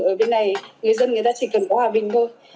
ở bên này người dân người ta chỉ cần có hòa bình thôi